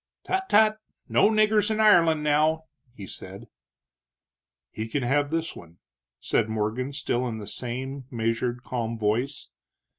"Tut, tut! No niggers in Ireland, now!" he said. "He can have this one," said Morgan, still in the same measured, calm voice.